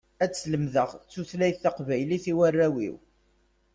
Ad slemdeɣ tutlayt taqbaylit i warraw-iw.